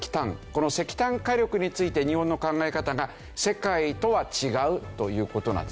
この石炭火力について日本の考え方が世界とは違うという事なんですね。